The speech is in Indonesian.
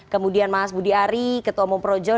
kemudian mas budi ari ketua umum projo